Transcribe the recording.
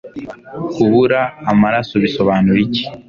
kubura amaraso bisobanura iki